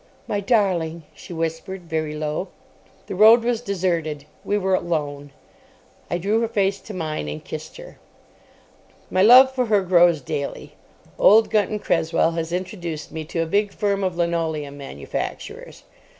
"My darling," she whispered, very low. The road was deserted. We were alone. I drew her face to mine and kissed her. My love for her grows daily. Old Gunton Cresswell has introduced me to a big firm of linoleum manufacturers.